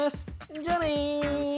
じゃあね。